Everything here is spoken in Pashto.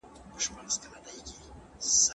سرمایه داري نظام د شتمنۍ د انحصار سبب ګرځي.